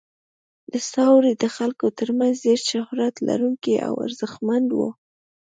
دا څاروي د خلکو تر منځ ډیر شهرت لرونکي او ارزښتمن وو.